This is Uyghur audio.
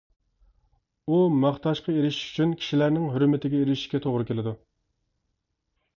ئۇ، ماختاشقا ئېرىشىش ئۈچۈن كىشىلەرنىڭ ھۆرمىتىگە ئېرىشىشكە توغرا كېلىدۇ.